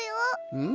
うん。